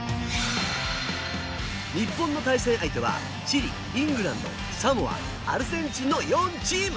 日本の対戦相手はチリ、イングランド、サモアアルゼンチンの４チーム。